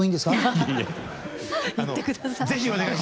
行ってください。